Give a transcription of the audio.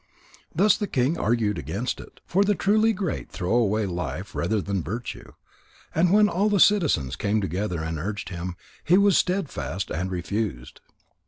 Thus the king argued against it. For the truly great throw away life rather than virtue. And when all the citizens came together and urged him, he was steadfast and refused.